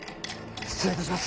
失礼いたします。